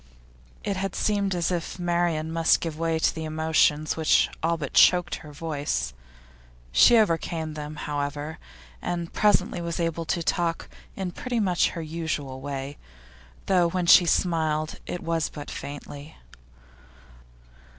It had seemed as if Marian must give way to the emotions which all but choked her voice; she overcame them, however, and presently was able to talk in pretty much her usual way, though when she smiled it was but faintly.